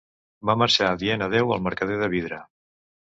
Va marxar dient adéu al mercader de vidre.